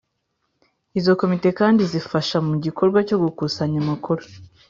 izo komite kandi zifasha mu gikorwa cyo gukusanya amakuru